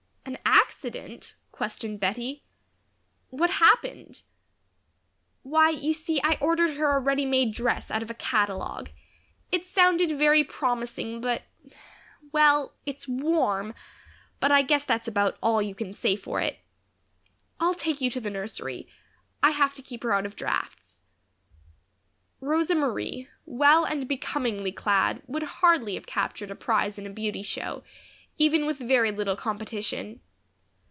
"An accident?" questioned Bettie. "What happened?" "Why, you see, I ordered her a ready made dress out of a catalogue. It sounded very promising but Well, it's warm, but I guess that's about all you can say for it. I'll take you to the nursery; I have to keep her out of drafts." Rosa Marie, well and becomingly clad, would hardly have captured a prize in a beauty show, even with very little competition.